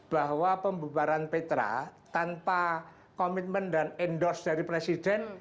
bahwa pembubaran petra tanpa komitmen dan endorse dari presiden